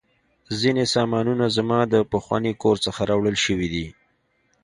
ځینې سامانونه زما د پخواني کور څخه راوړل شوي دي